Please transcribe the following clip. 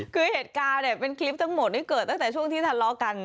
คือเหตุการณ์เนี่ยเป็นคลิปทั้งหมดที่เกิดตั้งแต่ช่วงที่ทะเลาะกัน